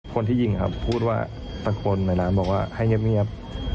คนที่ยิงครับพูดว่าตะโกนแม่น้ำบอกว่าให้เงียบ